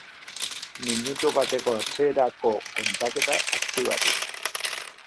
Minutu bateko atzerako kontaketa aktibatu